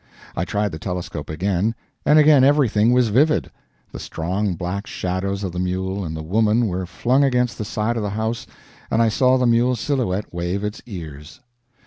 I tried the telescope again, and again everything was vivid. The strong black shadows of the mule and the woman were flung against the side of the house, and I saw the mule's silhouette wave its ears.